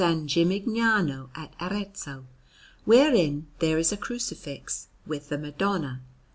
Gimignano at Arezzo, wherein there is a Crucifix, with the Madonna, S.